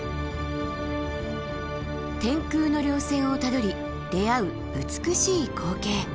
天空の稜線をたどり出会う美しい光景。